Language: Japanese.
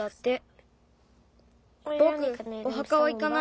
ぼくおはかはいかない。